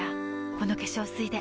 この化粧水で